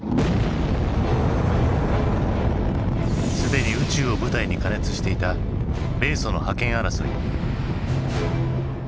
すでに宇宙を舞台に過熱していた米ソの覇権争い。